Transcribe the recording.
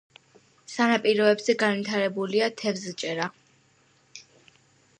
სანაპიროებზე განვითარებულია თევზჭერა.